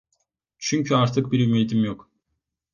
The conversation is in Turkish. Çünkü artık bir ümidim yok.